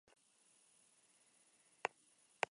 Una versión canadiense de estas cervezas es la Labatt Blue.